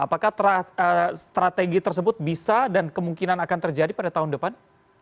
apakah strategi tersebut bisa dan kemungkinan akan terjadi pada tahun depan